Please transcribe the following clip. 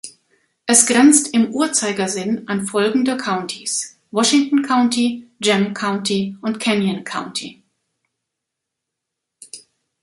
Es grenzt im Uhrzeigersinn an folgende Countys: Washington County, Gem County und Canyon County.